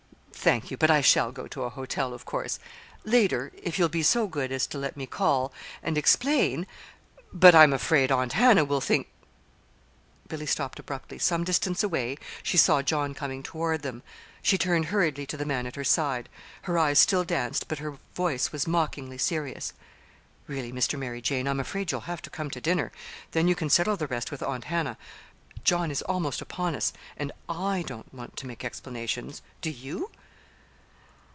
"Thank you, but I shall go to a hotel, of course. Later, if you'll be so good as to let me call, and explain !" "But I'm afraid Aunt Hannah will think " Billy stopped abruptly. Some distance away she saw John coming toward them. She turned hurriedly to the man at her side. Her eyes still danced, but her voice was mockingly serious. "Really, Mr. Mary Jane, I'm afraid you'll have to come to dinner; then you can settle the rest with Aunt Hannah. John is almost upon us and I don't want to make explanations. Do you?"